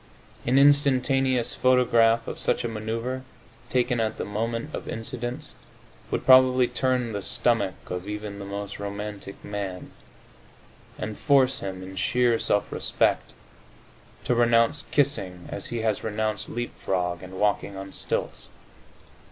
An instantaneous photograph of such a maneuvre, taken at the moment of incidence, would probably turn the stomach of even the most romantic man, and force him, in sheer self respect, to renounce kissing as he has renounced leap frog and walking on stilts.